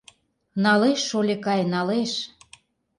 Налеш, шольыкай, налеш.